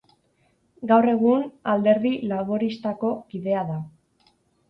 Gaur egun, Alderdi Laboristako kidea da.